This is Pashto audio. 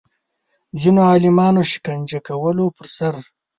ځینو عالمانو شکنجه کولو پر سر